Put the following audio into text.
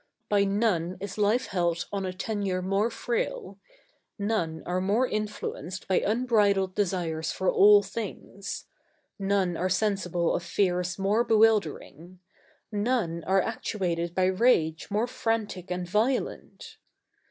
By none is life held on a tenure more frail; none are more influenced by unbridled desires for all things; none are sensible of fears more bewildering; none are actuated by rage more frantic and violent.